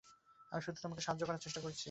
আমি শুধু তোমাকে সাহায্য করার চেষ্টা করছি!